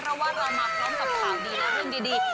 เพราะว่าเรามาพร้อมกับข่าวดีและเรื่องดี